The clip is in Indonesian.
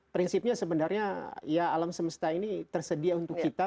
prinsipnya sebenarnya ya alam semesta ini tersedia untuk kita